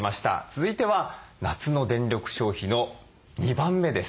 続いては夏の電力消費の２番目です。